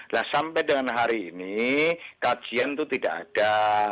nah sampai dengan hari ini kajian itu tidak ada